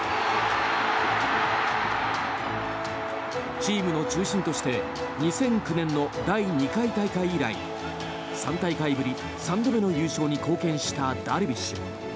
チームの中心として２００９年の第２回大会以来３大会ぶり３度目の優勝に貢献したダルビッシュ。